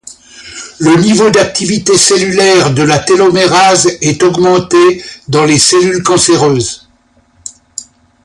Le niveau d'activité cellulaire de la télomérase est augmenté dans les cellules cancéreuses.